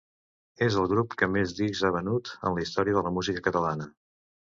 És el grup que més discs ha venut en la història de la música catalana.